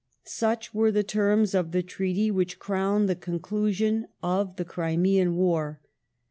Such were the terms of the treaty which crowned the conclusion of the Crimean War.